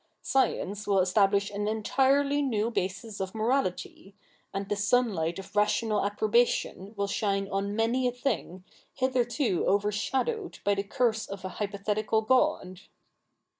Science will establish an entirely new basis of morality ; and the sunlight of rational approbation will shine on many a thing, hitherto overshadowed by the curse of a hypothetical God.'